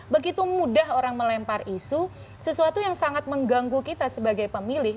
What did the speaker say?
begitu mudah orang melempar isu sesuatu yang sangat mengganggu kita sebagai pemilih